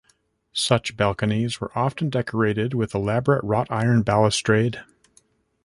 Such balconies were often decorated with elaborate wrought iron balustrade.